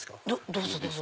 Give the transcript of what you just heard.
どうぞどうぞ！